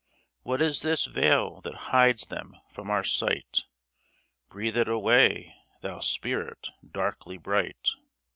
What is this veil that hides thee from our sight ? Breathe it away, thou spirit darkly bright